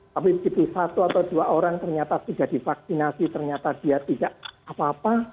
tapi begitu satu atau dua orang ternyata sudah divaksinasi ternyata dia tidak apa apa